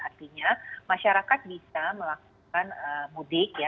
artinya masyarakat bisa melakukan mudik ya